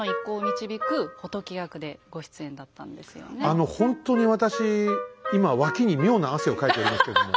あのほんとに私今脇に妙な汗をかいておりますけども。